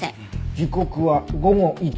時刻は午後１時半。